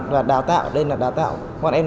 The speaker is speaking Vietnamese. và đào tạo đây là đào tạo bọn em